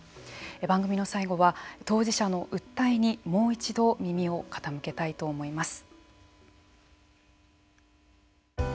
番組の最後は当事者の訴えにもう一度、耳を傾けたいと思います。